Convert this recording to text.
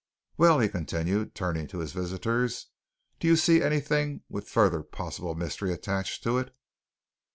"Well," he continued, turning to his visitors. "Do you see anything with any further possible mystery attached to it?"